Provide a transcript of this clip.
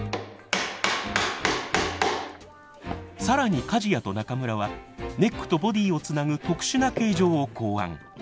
更に梶屋と中村はネックとボディをつなぐ特殊な形状を考案。